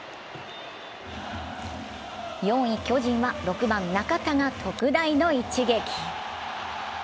４位・巨人は６番・中田が特大の一撃。